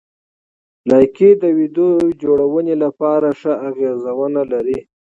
لایکي د ویډیو جوړونې لپاره ښه اغېزونه لري.